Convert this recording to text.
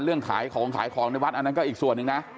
ขายของขายของในวัดอันนั้นก็อีกส่วนหนึ่งนะ